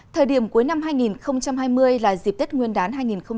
thời điểm cuối năm hai nghìn hai mươi là dịp tết nguyên đán hai nghìn hai mươi